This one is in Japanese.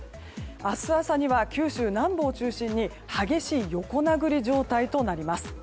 明日朝には九州南部を中心に激しい横殴り状態となります。